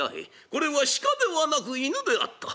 これは鹿ではなく犬であった。